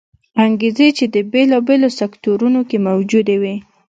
انګېزې چې د بېلابېلو سکتورونو کې موجودې وې